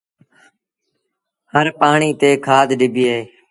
هر پآڻيٚ تي کآڌ ڏبيٚ اهي